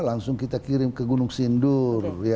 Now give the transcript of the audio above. langsung kita kirim ke gunung sindur